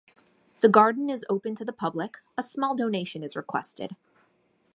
The garden is open to the public, a small donation is requested.